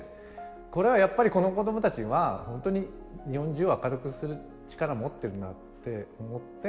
これはやっぱりこの子どもたちは本当に日本中を明るくする力を持っているなって思って。